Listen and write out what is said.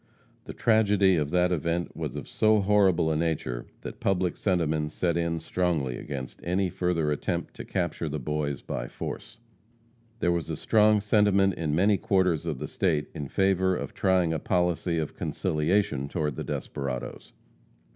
The tragedy of that event was of so horrible a nature, that public sentiment set in strongly against any further attempt to capture the boys by force. There was a strong sentiment in many quarters of the state in favor of trying a policy of conciliation toward the desperadoes.